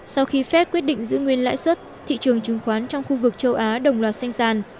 sau khi phép quyết định giữ nguyên lãi suất thị trường chứng khoán trong khu vực châu á đồng loạt sanh sản